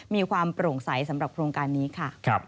มีความโปร่งใสสำหรับโครงการนี้ค่ะ